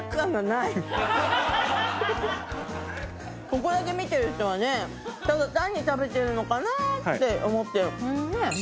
ここだけ見てる人はねただ単に食べてるのかな？って思うけど。